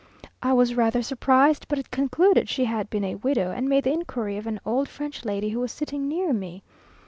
I was rather surprised, but concluded she had been a widow, and made the inquiry of an old French lady who was sitting near me.